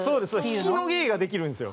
引きの芸ができるんですよ。